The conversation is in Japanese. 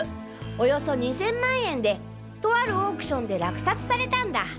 およそ２０００万円でとあるオークションで落札されたんだ。